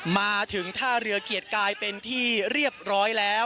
มาถึงท่าเรือเกียรติกายเป็นที่เรียบร้อยแล้ว